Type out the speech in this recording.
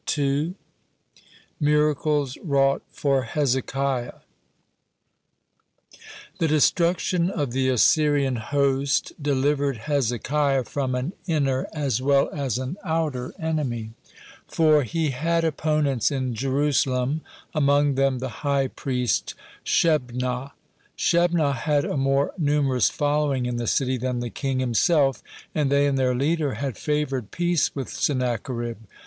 (61) MIRACLES WROUGHT FOR HEZEKIAH The destruction of the Assyrian host delivered Hezekiah from an inner as well as an outer enemy, for he had opponents in Jerusalem, among them the high priest Shebnah. (62) Shebnah had a more numerous following in the city than the king himself, (63) and they and their leader had favored peace with Sennacherib.